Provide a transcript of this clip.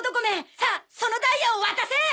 さあそのダイヤを渡せ！